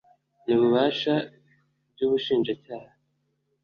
n ububasha by ubushinjacyaha